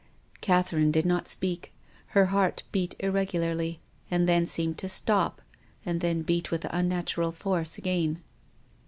Catherine did not speak. Her heart beat ir regularly, and then seemed to stop, and then beat with unnatural force again.